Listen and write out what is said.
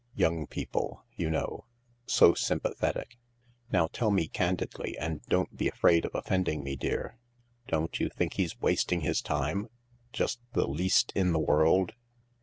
.., Young people, you know — so sympathetic. Now tell me candidly, and don't be afraid of offending me, dear : don't you think he's wasting his time — just the least in the world